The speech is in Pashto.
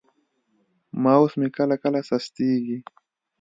ماوس مې کله کله سستېږي.